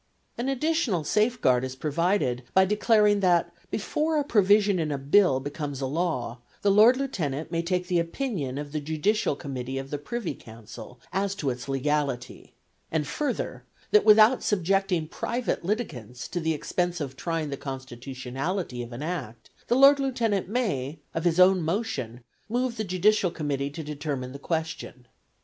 An additional safeguard is provided by declaring that before a provision in a Bill becomes law, the Lord Lieutenant may take the opinion of the Judicial Committee of the Privy Council as to its legality, and further, that without subjecting private litigants to the expense of trying the constitutionality of an Act, the Lord Lieutenant may, of his own motion, move the judicial committee to determine the question.